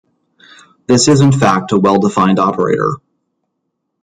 This is in fact a well-defined operator.